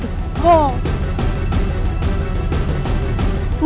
tante andis jangan